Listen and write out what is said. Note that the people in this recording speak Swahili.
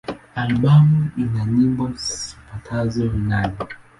Albamu ina nyimbo zipatazo nane.